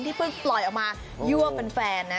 เพิ่งปล่อยออกมายั่วเป็นแฟนนะ